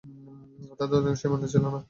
তাদের অধিকাংশই ঈমানদার ছিল না।